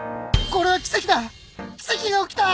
これは奇跡だ！